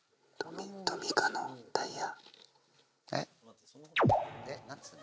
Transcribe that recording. トミカのタイヤ。